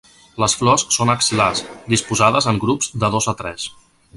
Les flors són axil·lars, disposades en grups de dos a tres.